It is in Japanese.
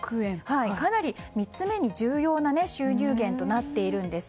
かなり３つ目に重要な収入源となっているんです。